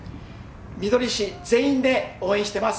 みどり市全員で応援しています。